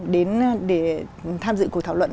đến để tham dự cuộc thảo luận